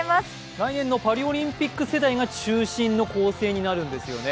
来年のパリオリンピック世代が中心の構成になるんですよね。